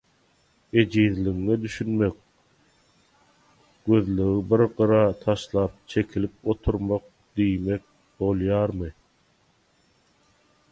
Ejizligiňe düşünmek gözlegi bir gyra taşlap çekilip oturmak diýmek bolýarmy?